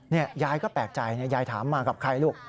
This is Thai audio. นี่ยายก็แปลกใจยายถามมากับใครลูก